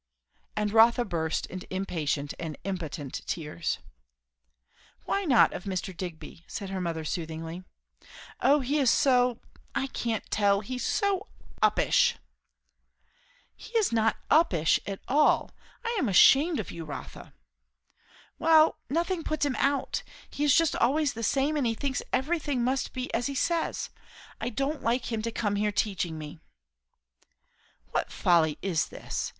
And Rotha burst into impatient and impotent tears. "Why not of Mr. Digby?" said her mother soothingly. "O he is so I can't tell! he's so uppish." "He is not uppish at all. I am ashamed of you, Rotha." "Well, nothing puts him out. He is just always the same; and he thinks everything must be as he says. I don't like him to come here teaching me." "What folly is this?